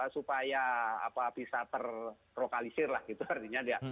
supaya bisa terlokalisir lah gitu artinya dia